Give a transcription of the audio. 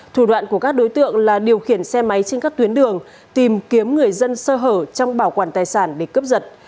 thủ đoạn của các đối tượng là điều khiển xe máy trên các tuyến đường tìm kiếm người dân sơ hở trong bảo quản tài sản để cướp giật